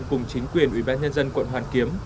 cùng chính quyền ubnd quận hoàn kiếm